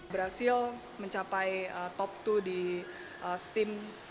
berhasil mencapai top dua di steam